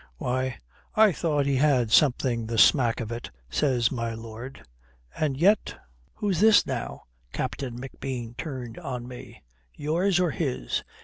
"'Why, I thought he had something the smack of it,' says my lord. 'And yet ' "'Who's this now?' Captain McBean turned on me. 'Yours or his?'